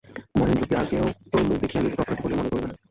মহেন্দ্র কি আর-কেহ তোর মুখ দেখিয়া নিজেকে অপরাধী বলিয়া মনে করিবে না।